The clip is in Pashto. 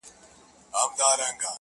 اختر نژدې دی’